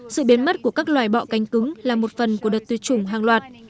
sự biến mất của các loài bọ cánh cứng là một phần của đợt tuyệt chủng hàng loạt